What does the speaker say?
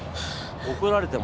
怒られても。